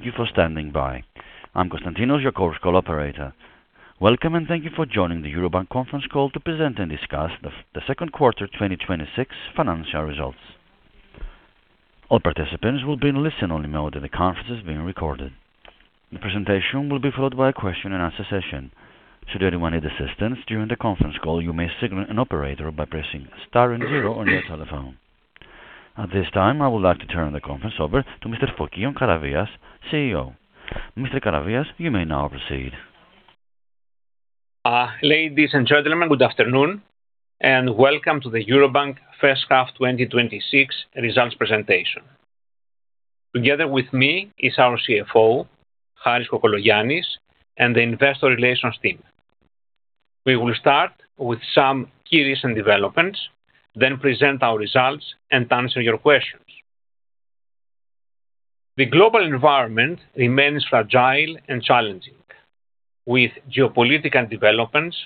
Thank you for standing by. I'm Constantinos, your call operator. Welcome, and thank you for joining the Eurobank conference call to present and discuss the second quarter 2026 financial results. All participants will be in listen-only mode, and the conference is being recorded. The presentation will be followed by a question and answer session. Should anyone need assistance during the conference call, you may signal an operator by pressing star and zero on your telephone. At this time, I would like to turn the conference over to Mr. Fokion Karavias, CEO. Mr. Karavias, you may now proceed. Ladies and gentlemen, good afternoon, and welcome to the Eurobank first half 2026 results presentation. Together with me is our CFO, Harris Kokologiannis, and the investor relations team. We will start with some key recent developments, then present our results and answer your questions. The global environment remains fragile and challenging, with geopolitical developments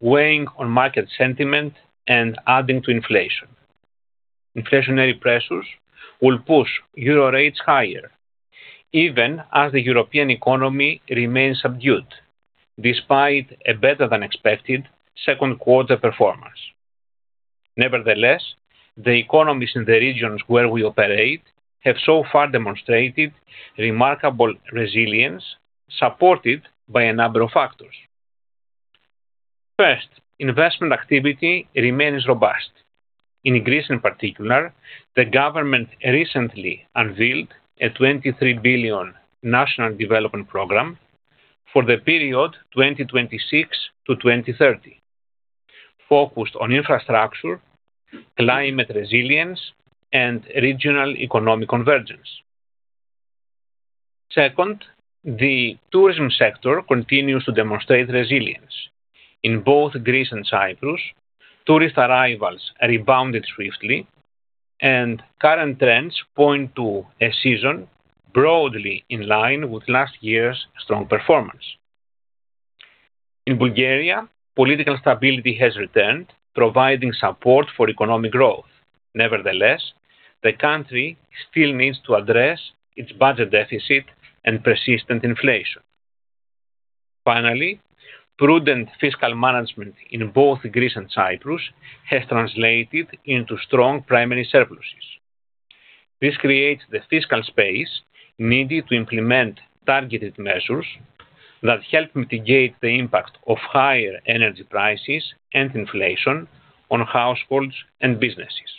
weighing on market sentiment and adding to inflation. Inflationary pressures will push Euro rates higher, even as the European economy remains subdued despite a better-than-expected second quarter performance. Nevertheless, the economies in the regions where we operate have so far demonstrated remarkable resilience, supported by a number of factors. First, investment activity remains robust. In Greece in particular, the government recently unveiled a 23 billion national development program for the period 2026-2030 focused on infrastructure, climate resilience, and regional economic convergence. Second, the tourism sector continues to demonstrate resilience. In both Greece and Cyprus, tourist arrivals rebounded swiftly, and current trends point to a season broadly in line with last year's strong performance. In Bulgaria, political stability has returned, providing support for economic growth. Nevertheless, the country still needs to address its budget deficit and persistent inflation. Finally, prudent fiscal management in both Greece and Cyprus has translated into strong primary surpluses. This creates the fiscal space needed to implement targeted measures that help mitigate the impact of higher energy prices and inflation on households and businesses.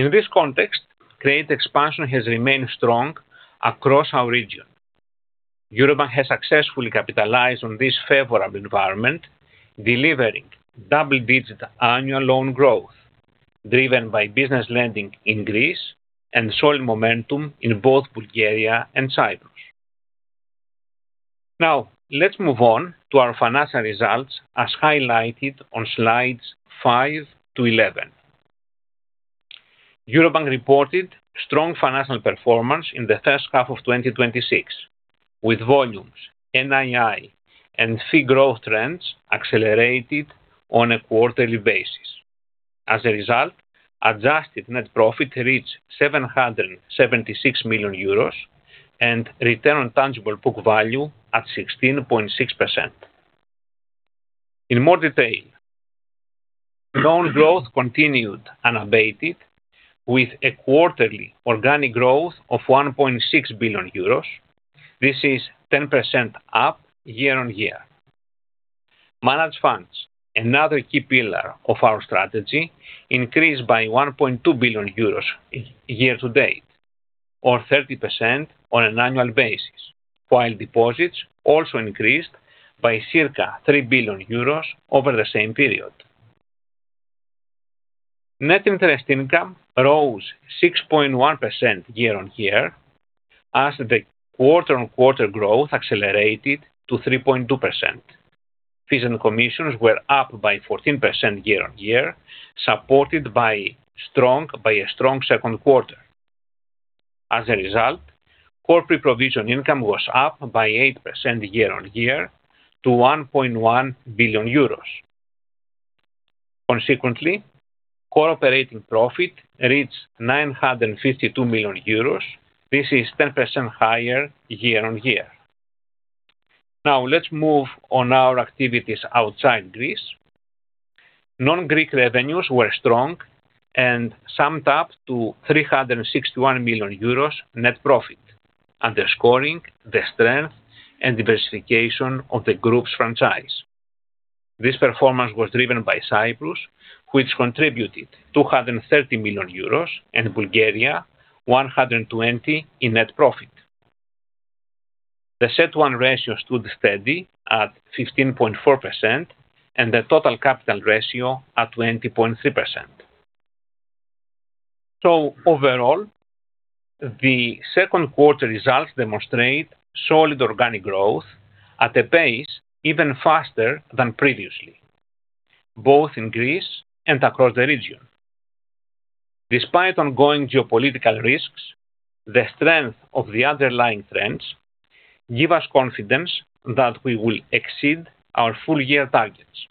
In this context, credit expansion has remained strong across our region. Eurobank has successfully capitalized on this favorable environment, delivering double-digit annual loan growth driven by business lending in Greece and solid momentum in both Bulgaria and Cyprus. Now, let's move on to our financial results, as highlighted on slides five to 11. Eurobank reported strong financial performance in the first half of 2026, with volumes, NII, and fee growth trends accelerated on a quarterly basis. As a result, adjusted net profit reached 776 million euros and return on tangible book value at 16.6%. In more detail, loan growth continued unabated with a quarterly organic growth of 1.6 billion euros. This is 10% up year-on-year. Managed funds, another key pillar of our strategy, increased by 1.2 billion euros year to date, or 30% on an annual basis, while deposits also increased by circa 3 billion euros over the same period. Net interest income rose 6.1% year-on-year as the quarter-on-quarter growth accelerated to 3.2%. Fees and commissions were up by 14% year-on-year, supported by a strong second quarter. As a result, core pre-provision income was up by 8% year-on-year to 1.1 billion euros. Consequently, core operating profit reached 952 million euros. This is 10% higher year-on-year. Let's move on our activities outside Greece. Non-Greek revenues were strong and summed up to 361 million euros net profit, underscoring the strength and diversification of the group's franchise. This performance was driven by Cyprus, which contributed 230 million euros, and Bulgaria, 120 million in net profit. The CET1 ratio stood steady at 15.4% and the total capital ratio at 20.3%. Overall, the second quarter results demonstrate solid organic growth at a pace even faster than previously, both in Greece and across the region. Despite ongoing geopolitical risks, the strength of the underlying trends give us confidence that we will exceed our full year targets.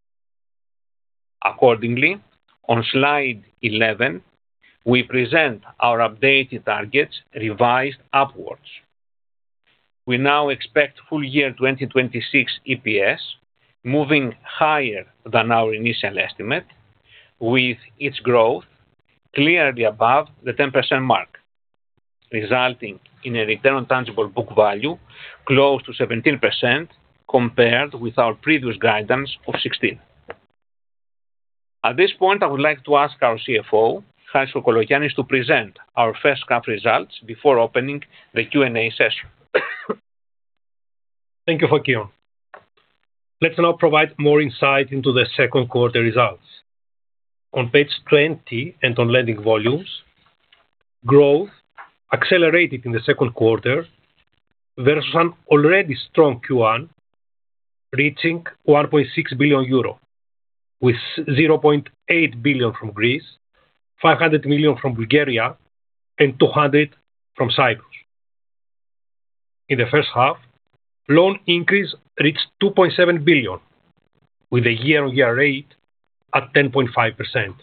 Accordingly, on slide 11, we present our updated targets revised upwards. We now expect full year 2026 EPS moving higher than our initial estimate, with its growth clearly above the 10% mark, resulting in a return on tangible book value close to 17%, compared with our previous guidance of 16%. At this point, I would like to ask our CFO, Harris Kokologiannis, to present our first half results before opening the Q&A session. Thank you, Fokion. Let's now provide more insight into the second quarter results. On page 20, on lending volumes, growth accelerated in the second quarter versus an already strong Q1, reaching 1.6 billion euro, with 0.8 billion from Greece, 500 million from Bulgaria, and 200 million from Cyprus. In the first half, loan increase reached 2.7 billion, with a year-on-year rate at 10.5%.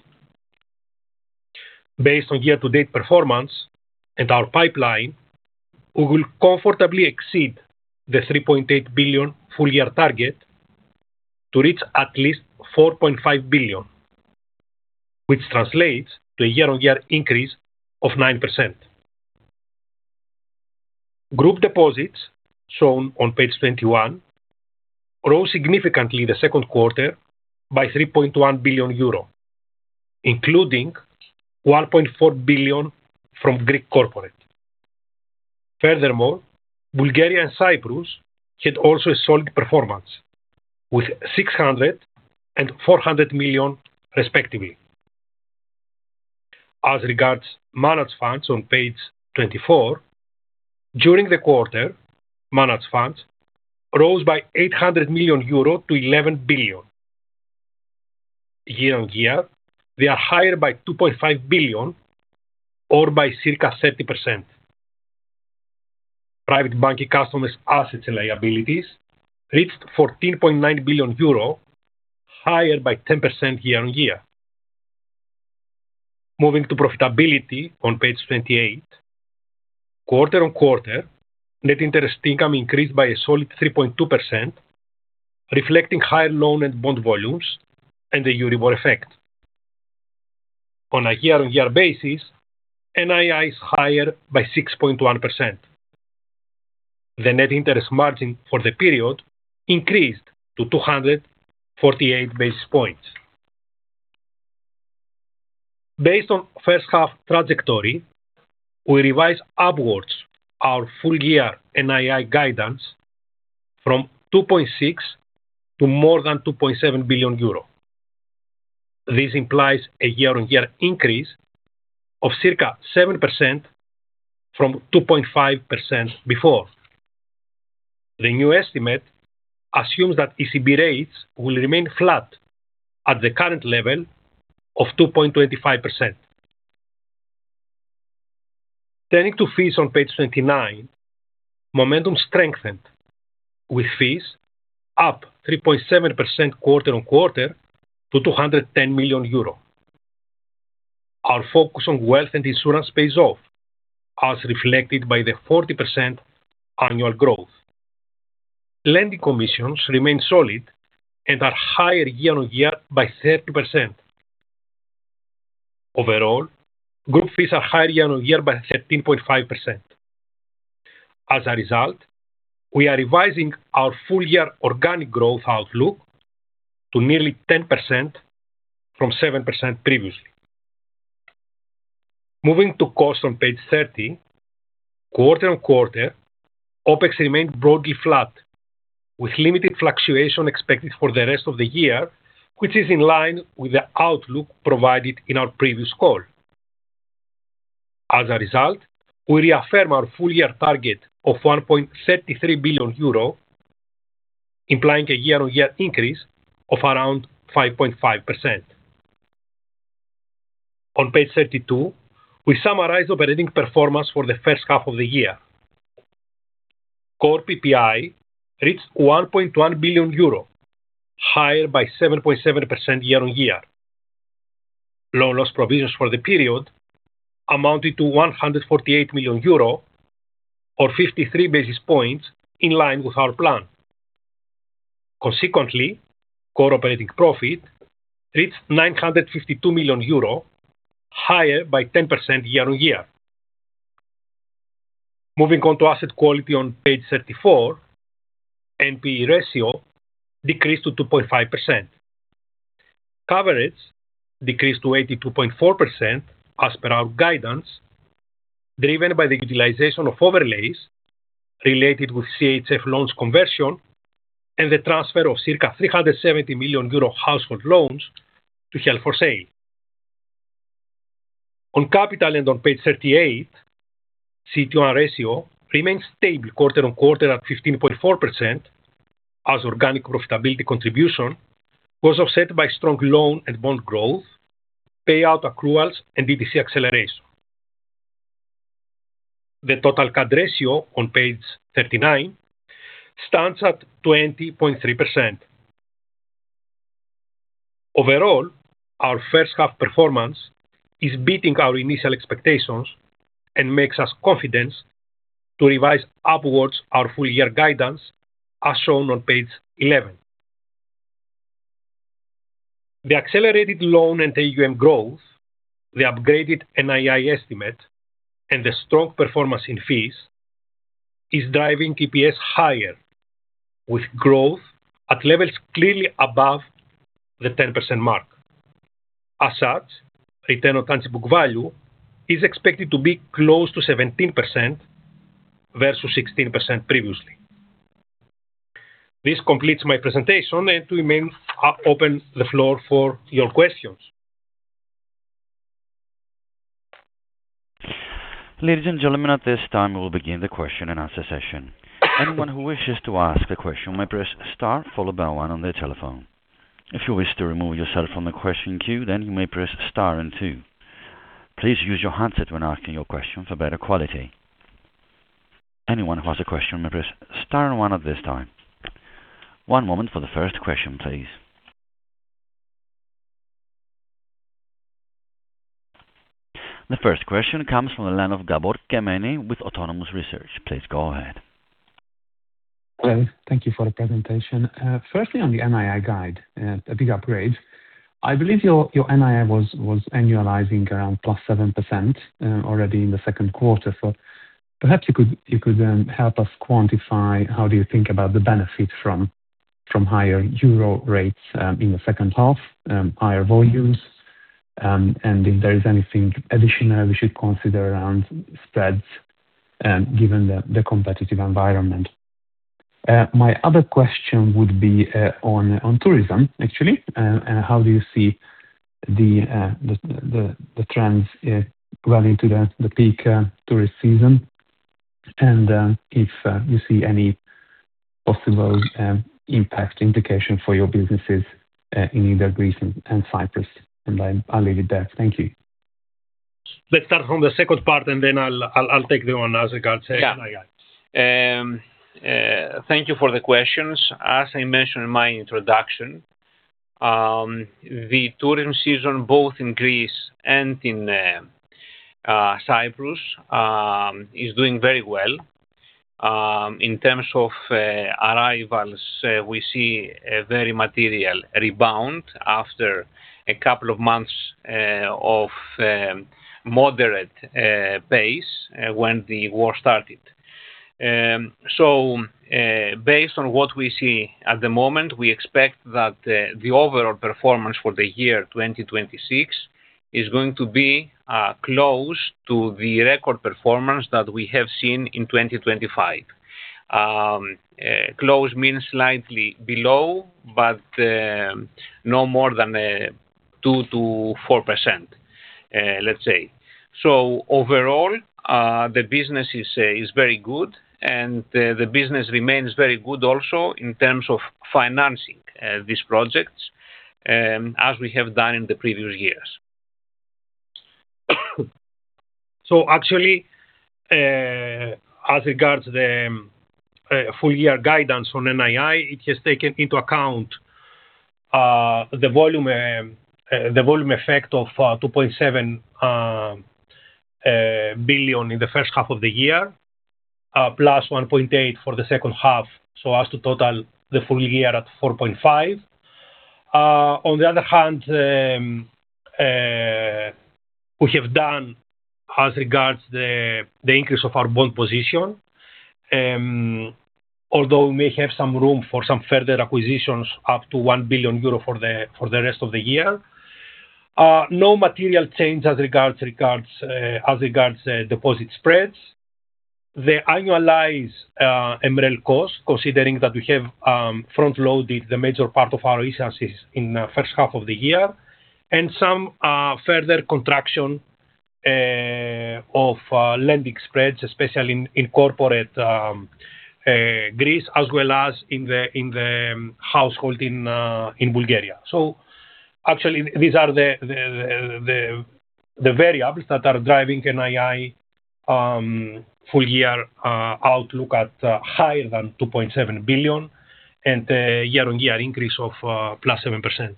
Based on year-to-date performance and our pipeline, we will comfortably exceed the 3.8 billion full-year target to reach at least 4.5 billion, which translates to a year-on-year increase of 9%. Group deposits, shown on page 21, grew significantly in the second quarter by 3.1 billion euro, including 1.4 billion from Greek corporate. Furthermore, Bulgaria and Cyprus had also a solid performance, with 600 million and 400 million respectively. As regards managed funds on page 24, during the quarter, managed funds rose by 800 million-11 billion euro. Year-on-year, they are higher by 2.5 billion, or by circa 30%. Private banking customers' assets and liabilities reached 14.9 billion euro, higher by 10% year-on-year. Moving to profitability on page 28, quarter-on-quarter, net interest income increased by a solid 3.2%, reflecting higher loan and bond volumes and the Euribor effect. On a year-on-year basis, NII is higher by 6.1%. The net interest margin for the period increased to 248 basis points. Based on first half trajectory, we revised upwards our full year NII guidance from 2.6 billion to more than 2.7 billion euro. This implies a year-on-year increase of circa 7% from 2.5% before. The new estimate assumes that ECB rates will remain flat at the current level of 2.25%. Turning to fees on page 29, momentum strengthened, with fees up 3.7% quarter-on-quarter to 210 million euro. Our focus on wealth and insurance pays off, as reflected by the 40% annual growth. Lending commissions remain solid and are higher year-on-year by 30%. Overall, group fees are higher year-on-year by 13.5%. As a result, we are revising our full-year organic growth outlook to nearly 10% from 7% previously. Moving to costs on page 30, quarter-on-quarter, OpEx remained broadly flat, with limited fluctuation expected for the rest of the year, which is in line with the outlook provided in our previous call. As a result, we reaffirm our full-year target of 1.33 billion euro, implying a year-on-year increase of around 5.5%. On page 32, we summarize operating performance for the first half of the year. Core PPI reached 1.1 billion euro, higher by 7.7% year-on-year. Loan loss provisions for the period amounted to 148 million euro, or 53 basis points in line with our plan. Consequently, core operating profit reached 952 million euro, higher by 10% year-on-year. Moving on to asset quality on page 34, NPE ratio decreased to 2.5%. Coverage decreased to 82.4% as per our guidance, driven by the utilization of overlays related with CHF loans conversion and the transfer of circa 370 million euro household loans to Held For Sale. On capital and on page 38, CET1 ratio remained stable quarter-on-quarter at 15.4%, as organic profitability contribution was offset by strong loan and bond growth, payout accruals, and DTC acceleration. The total CAR ratio on page 39 stands at 20.3%. Overall, our first half performance is beating our initial expectations and makes us confidence to revise upwards our full year guidance, as shown on page 11. The accelerated loan and AUM growth, the upgraded NII estimate, and the strong performance in fees is driving EPS higher, with growth at levels clearly above the 10% mark. As such, return on tangible book value is expected to be close to 17% versus 16% previously. This completes my presentation, and we may open the floor for your questions. Ladies and gentlemen, at this time, we will begin the question and answer session. Anyone who wishes to ask a question may press star followed by one on their telephone. If you wish to remove yourself from the question queue, then you may press star and two. Please use your handset when asking your question for better quality. Anyone who has a question may press star and one at this time. One moment for the first question, please. The first question comes from the line of Gabor Kemeny with Autonomous Research. Please go ahead. Well, thank you for the presentation. Firstly, on the NII guide, a big upgrade. I believe your NII was annualizing around +7% already in the Q2. Perhaps you could then help us quantify how do you think about the benefit from higher EUR rates in the H2, higher volumes, and if there is anything additional we should consider around spreads, given the competitive environment. My other question would be on tourism, actually. How do you see the trends well into the peak tourist season? If you see any possible impact indication for your businesses in either Greece and Cyprus. I'll leave it there. Thank you. Let's start from the second part and then I'll take the one as regards NII guide. Thank you for the questions. As I mentioned in my introduction, the tourism season both in Greece and in Cyprus is doing very well. In terms of arrivals, we see a very material rebound after a couple of months of moderate pace when the war started. Based on what we see at the moment, we expect that the overall performance for the 2026 is going to be close to the record performance that we have seen in 2025. Close means slightly below, but no more than 2%-4%, let's say. Overall, the business is very good, and the business remains very good also in terms of financing these projects, as we have done in the previous years. Actually, as regards the full year guidance on NII, it has taken into account the volume effect of 2.7 billion in the H1, +1.8 billion for the H2, so as to total the full year at 4.5 billion. On the other hand, we have done as regards the increase of our bond position, although we may have some room for some further acquisitions up to 1 billion euro for the rest of the year. No material change as regards deposit spreads. The annualized MREL cost, considering that we have front-loaded the major part of our issuances in the H1, and some further contraction of lending spreads, especially in corporate Greece as well as in the household in Bulgaria. Actually, these are the variables that are driving NII full year outlook at higher than 2.7 billion and a year-over-year increase of +7%.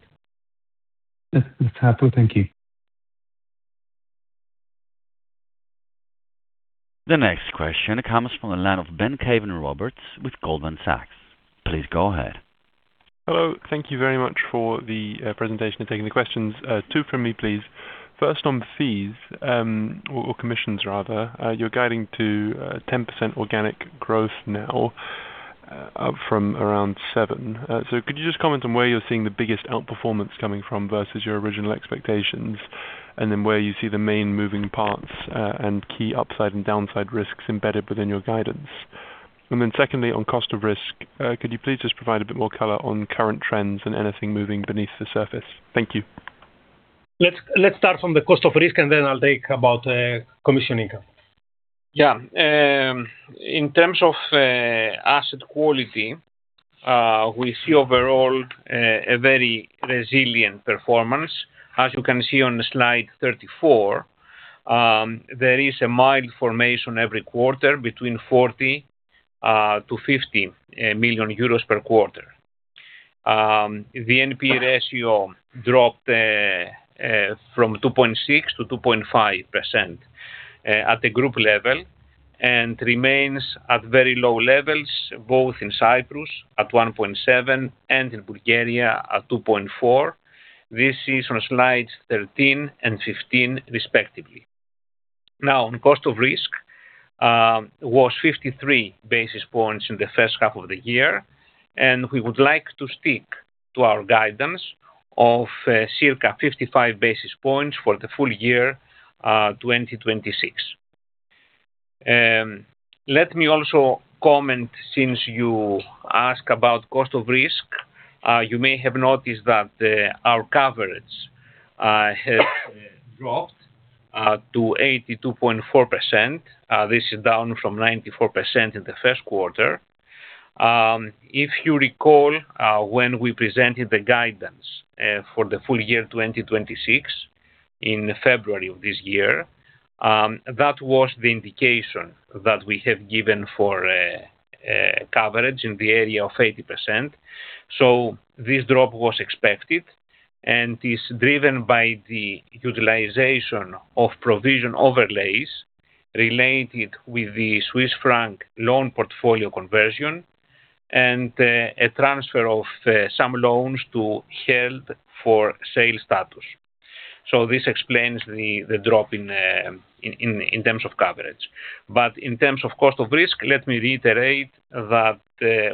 That's helpful. Thank you. The next question comes from the line of Ben Caven-Roberts with Goldman Sachs. Please go ahead. Hello. Thank you very much for the presentation and taking the questions. Two from me, please. First, on fees, or commissions rather, you're guiding to 10% organic growth now, up from around 7%. Could you just comment on where you're seeing the biggest outperformance coming from versus your original expectations, and then where you see the main moving parts and key upside and downside risks embedded within your guidance? Secondly, on cost of risk, could you please just provide a bit more color on current trends and anything moving beneath the surface? Thank you. Let's start from the cost of risk, then I'll take about commission income. Yeah. In terms of asset quality, we see overall a very resilient performance. As you can see on slide 34, there is a mild formation every quarter between 40 million-50 million euros per quarter. The NPE ratio dropped from 2.6%-2.5% at the group level and remains at very low levels, both in Cyprus at 1.7% and in Bulgaria at 2.4%. This is on slides 13 and 15 respectively. On cost of risk, was 53 basis points in the first half of the year, and we would like to stick to our guidance of circa 55 basis points for the full year 2026. Let me also comment, since you ask about cost of risk. You may have noticed that our coverage has dropped to 82.4%. This is down from 94% in the first quarter. If you recall, when we presented the guidance for the full year 2026 in February of this year, that was the indication that we have given for coverage in the area of 80%. This drop was expected and is driven by the utilization of provision overlays related with the Swiss franc loan portfolio conversion and a transfer of some loans to Held For Sale status. This explains the drop in terms of coverage. In terms of cost of risk, let me reiterate that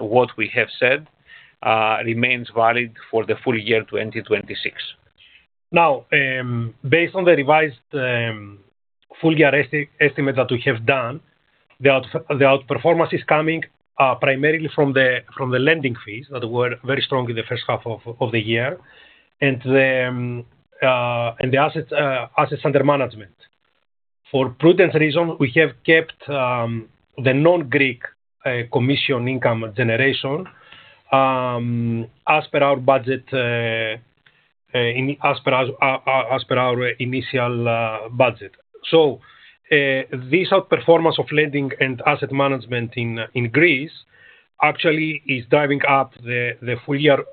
what we have said remains valid for the full year 2026. Based on the revised full year estimate that we have done, the outperformance is coming primarily from the lending fees that were very strong in the first half of the year and the assets under management. For prudent reasons, we have kept the non-Greek commission income generation as per our initial budget. This outperformance of lending and asset management in Greece actually is driving up the full year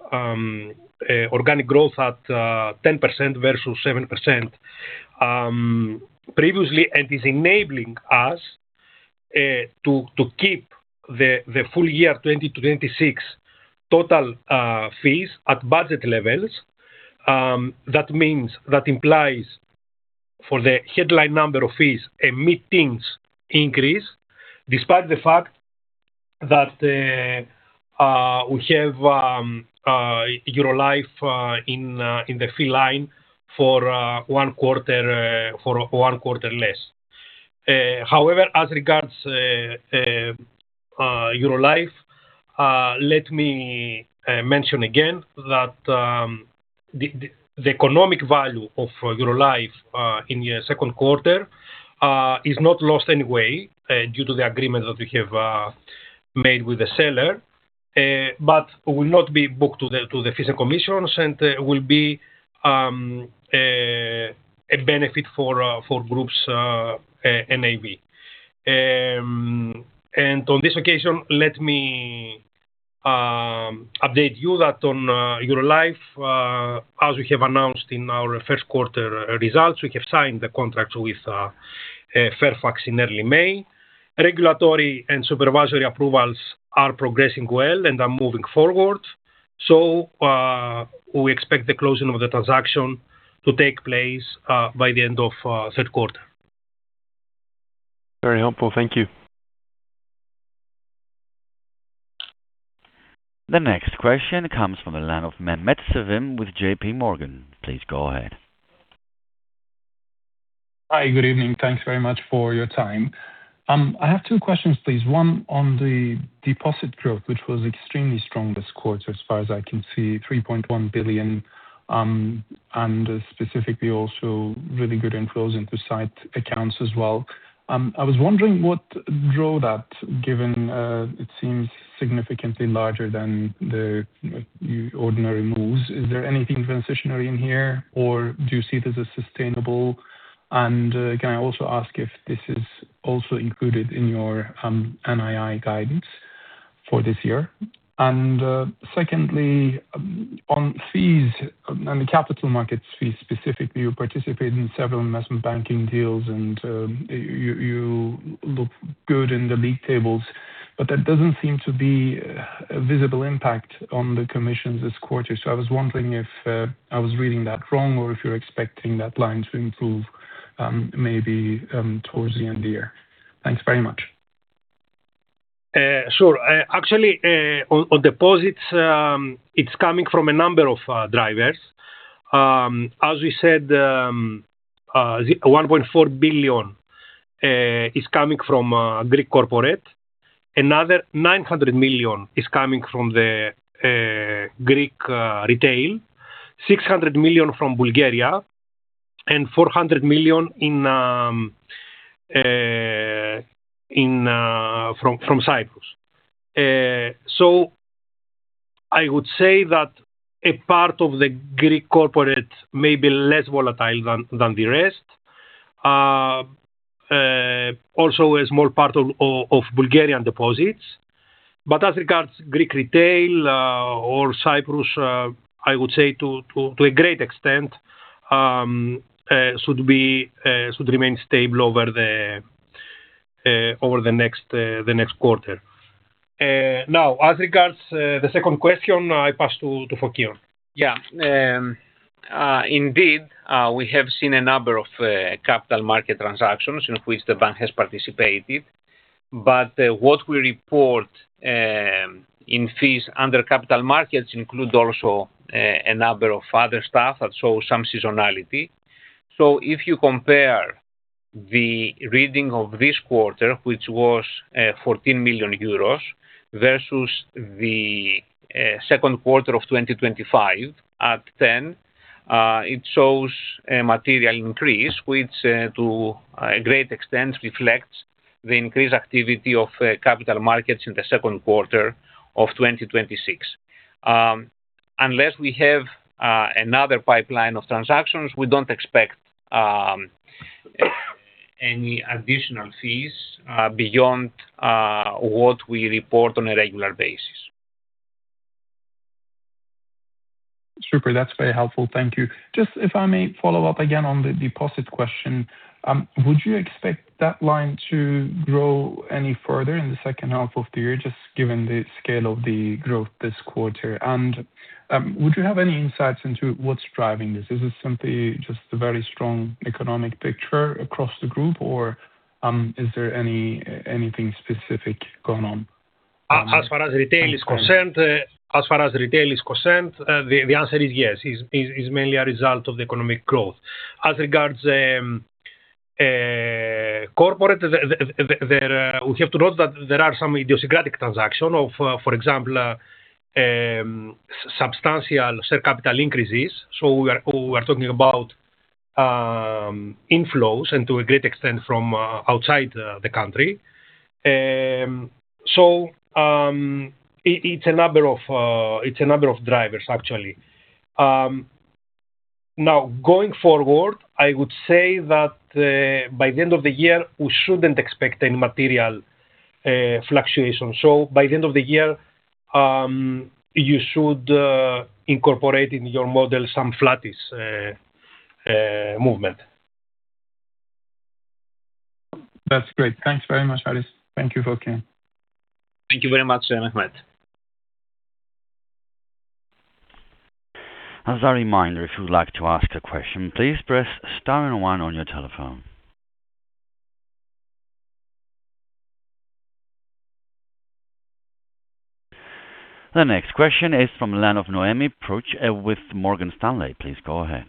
organic growth at 10% versus 7% previously, and is enabling us to keep the full year 2026 total fees at budget levels. That implies, for the headline number of fees, a mid-teens increase despite the fact that we have Eurolife in the fee line for one quarter less. However, as regards Eurolife, let me mention again that the economic value of Eurolife in the second quarter is not lost anyway due to the agreement that we have made with the seller, but will not be booked to the fees and commissions and will be a benefit for group's NAV. On this occasion, let me update you that on Eurolife, as we have announced in our first quarter results, we have signed the contract with Fairfax in early May. Regulatory and supervisory approvals are progressing well and are moving forward, we expect the closing of the transaction to take place by the end of third quarter. Very helpful. Thank you. The next question comes from the line of Mehmet Sevim with JPMorgan. Please go ahead. Hi. Good evening. Thanks very much for your time. I have two questions, please. One on the deposit growth, which was extremely strong this quarter as far as I can see, 3.1 billion, and specifically also really good inflows into site accounts as well. I was wondering what drove that, given it seems significantly larger than the ordinary moves. Is there anything transitionary in here or do you see this as sustainable? Can I also ask if this is also included in your NII guidance for this year? Secondly, on fees and the capital markets fees specifically, you participate in several investment banking deals and you look good in the league tables, that doesn't seem to be a visible impact on the commissions this quarter. I was wondering if I was reading that wrong or if you're expecting that line to improve, maybe towards the end of the year. Thanks very much. Sure. Actually, on deposits, it's coming from a number of drivers. As we said, 1.4 billion is coming from Greek corporate. Another 900 million is coming from the Greek retail, 600 million from Bulgaria. 400 million from Cyprus. I would say that a part of the Greek corporate may be less volatile than the rest. Also a small part of Bulgarian deposits. As regards Greek retail or Cyprus, I would say to a great extent, should remain stable over the next quarter. As regards the second question, I pass to Fokion. Yeah. Indeed, we have seen a number of capital market transactions in which the bank has participated, but what we report in fees under capital markets include also a number of other stuff that show some seasonality. If you compare the reading of this quarter, which was 14 million euros versus the second quarter of 2025 at 10 million, it shows a material increase, which to a great extent reflects the increased activity of capital markets in the second quarter of 2026. Unless we have another pipeline of transactions, we don't expect any additional fees beyond what we report on a regular basis. Super. That's very helpful. Thank you. If I may follow up again on the deposit question, would you expect that line to grow any further in the second half of the year, just given the scale of the growth this quarter? Would you have any insights into what's driving this? Is this simply just a very strong economic picture across the group, or is there anything specific going on? As far as retail is concerned, the answer is yes. It's mainly a result of the economic growth. As regards corporate, we have to note that there are some idiosyncratic transaction of, for example, substantial share capital increases. We are talking about inflows and to a great extent from outside the country. It's a number of drivers, actually. Now, going forward, I would say that by the end of the year, we shouldn't expect any material fluctuation. By the end of the year, you should incorporate in your model some flattish movement. That's great. Thanks very much, Harris. Thank you, Fokion. Thank you very much, Mehmet. As a reminder, if you would like to ask a question, please press star and one on your telephone. The next question is from the line of Noemi Peruch with Morgan Stanley. Please go ahead.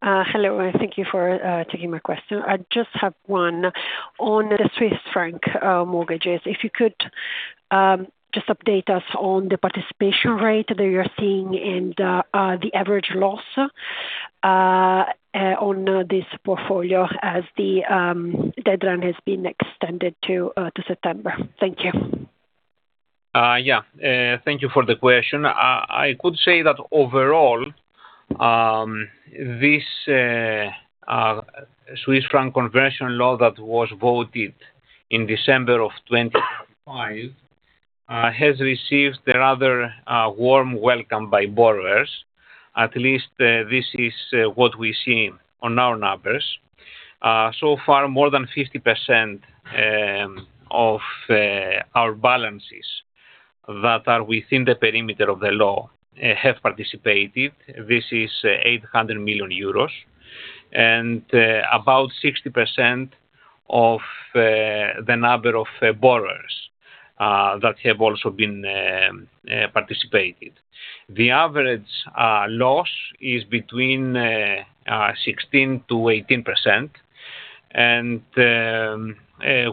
Hello. Thank you for taking my question. I just have one on the Swiss franc mortgages. If you could just update us on the participation rate that you're seeing and the average loss on this portfolio as the deadline has been extended to September. Thank you. Thank you for the question. I could say that overall, this Swiss franc conversion law that was voted in December of 2025 has received a rather warm welcome by borrowers. At least, this is what we've seen on our numbers. So far, more than 50% of our balances that are within the perimeter of the law have participated. This is 800 million euros. About 60% of the number of borrowers that have also been participated. The average loss is between 16%-18%, and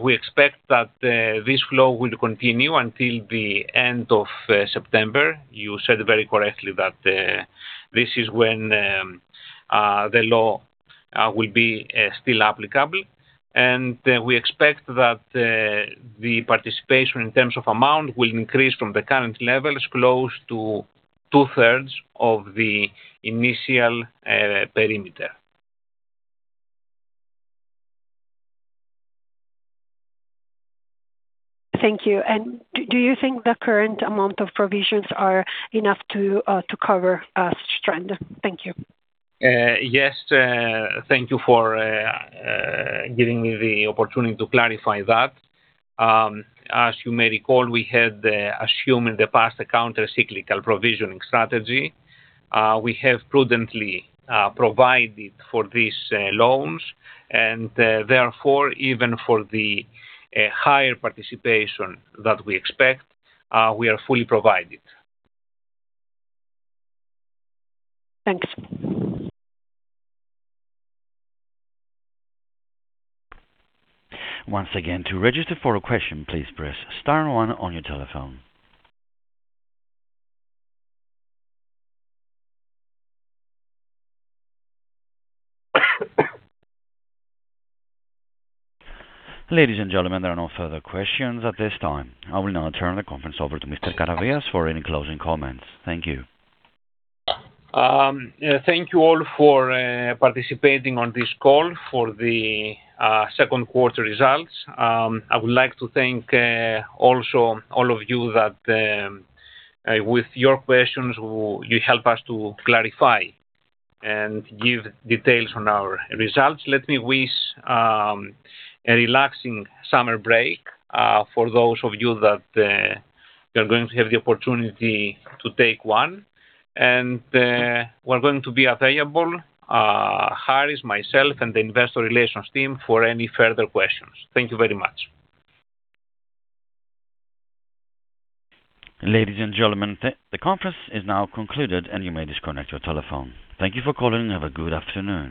we expect that this flow will continue until the end of September. You said very correctly that this is when the law will be still applicable, and we expect that the participation in terms of amount will increase from the current levels close to two thirds of the initial perimeter. Thank you. Do you think the current amount of provisions are enough to cover such trend? Thank you. Yes. Thank you for giving me the opportunity to clarify that. As you may recall, we had assumed in the past a countercyclical provisioning strategy. We have prudently provided for these loans, and therefore, even for the higher participation that we expect, we are fully provided. Thanks. Once again, to register for a question, please press star and one on your telephone. Ladies and gentlemen, there are no further questions at this time. I will now turn the conference over to Mr. Karavias for any closing comments. Thank you. Thank you all for participating on this call for the second quarter results. I would like to thank also all of you that with your questions, you help us to clarify and give details on our results. Let me wish a relaxing summer break for those of you that you're going to have the opportunity to take one. We're going to be available, Harris, myself, and the investor relations team, for any further questions. Thank you very much. Ladies and gentlemen, the conference is now concluded, and you may disconnect your telephone. Thank you for calling. Have a good afternoon.